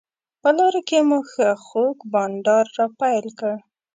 په لاره کې مو ښه خوږ بانډار راپیل کړ.